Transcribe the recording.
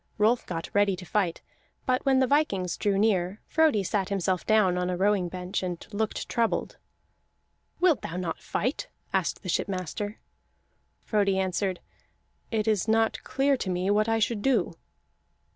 Rolf got ready to fight; but when the vikings drew near, Frodi sat himself down on a rowing bench, and looked troubled. "Wilt thou not fight?" asked the shipmaster. Frodi answered: "It is not clear to me what I should do."